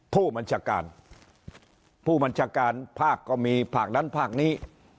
ผู้บัญชาการผู้บัญชาการภาคก็มีภาคนั้นภาคนี้